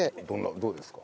どうですか？